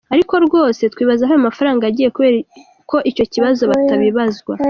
Ariko rwose twibaza aho ayo mafranga yagiye kubera iki bo batabibazwa.